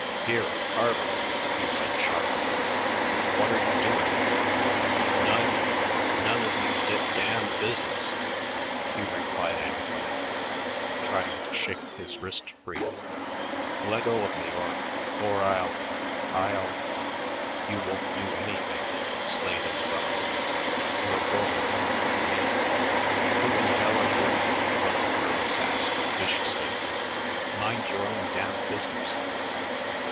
"Here, Carver," he said sharply. "What are you doing?" "None none of you da damn business," Hugh replied angrily, trying to shake his wrist free. "Leggo of me or or I'll I'll " "You won't do anything," 'Slade interrupted. "You're going home with me." "Who in hell are you?" one of the girls asked viciously. "Mind your own damn business."